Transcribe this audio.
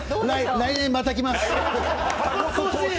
来年、また来ます。